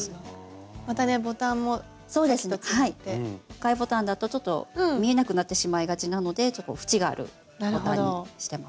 貝ボタンだとちょっと見えなくなってしまいがちなのでふちがあるボタンにしてます。